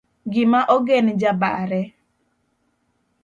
gima ogen jabare